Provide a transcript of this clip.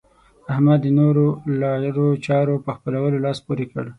احمد د نورو لارو چارو په خپلولو لاس پورې کړ.